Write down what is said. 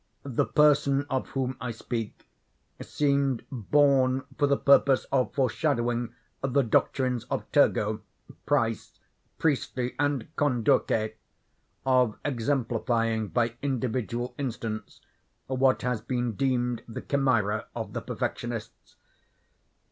The person of whom I speak seemed born for the purpose of foreshadowing the doctrines of Turgot, Price, Priestley, and Condorcet—of exemplifying by individual instance what has been deemed the chimera of the perfectionists.